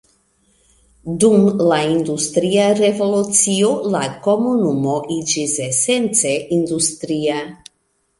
Dum la Industria Revolucio la komunumo iĝis esence industria.